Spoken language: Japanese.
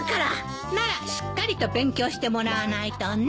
ならしっかりと勉強してもらわないとね。